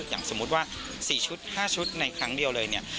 อย่างสมมุติว่า๔ชุด๕ชุดในครั้งเดียวเลยเนี่ย